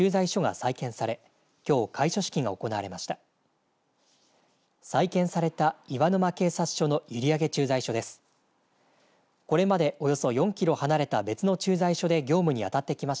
再建された岩沼警察署の閖上駐在所です。